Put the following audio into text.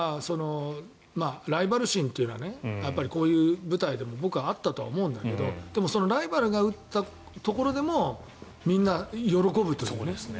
ライバル心というのはこういう舞台でもあったと僕は思うんだけどでもライバルが打ったところでもみんな喜ぶという。